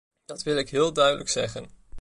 Dat wil ik heel duidelijk zeggen.